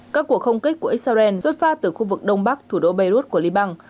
các cuộc không kích của israel xuất pha từ khu vực đông bắc thủ đô beirut của libang